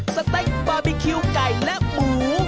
สเต็กบาร์บีคิวไก่และหมู